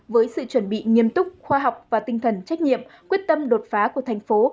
với sự chuẩn bị nghiêm túc khoa học và tinh thần trách nhiệm quyết tâm đột phá của thành phố